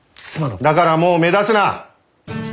だからもう目立つな！